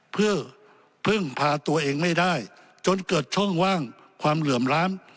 เพื่อพึ่งพาตัวเองไม่ได้จนเกิดช่องว่างความเหลื่อมล้ำ